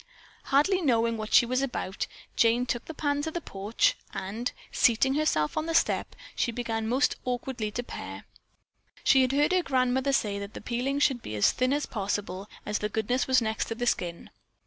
Hardly knowing what she was about, Jane took the pan to the porch, and, seating herself on the step, she began most awkwardly to pare. She had heard her grandmother say that the peeling should be as thin as possible as the goodness was next to the skin.